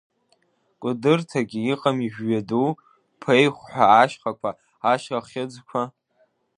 Кәыдырҭагьы иҟами Жәҩаду, Пеихә ҳәа ашьхақәа, ашьхахьыӡқәа?